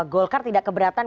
golkar tidak keberatan